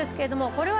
これは。